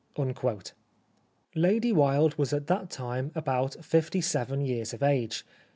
Lady Wilde was at that time about fifty seven years of age.